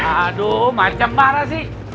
aduh macam mana sih